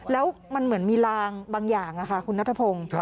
แล้วมันเหมือนมีลางบางอย่างค่ะคุณนัทพงศ์